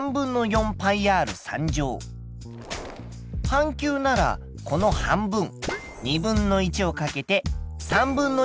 半球ならこの半分。